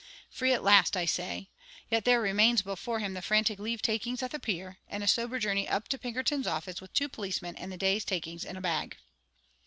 Free at last, I say; yet there remains before him the frantic leave takings at the pier, and a sober journey up to Pinkerton's office with two policemen and the day's takings in a bag.